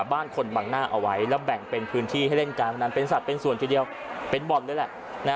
บ้านคนบังหน้าเอาไว้แล้วแบ่งเป็นพื้นที่ให้เล่นการพนันเป็นสัตว์เป็นส่วนทีเดียวเป็นบ่อนเลยแหละ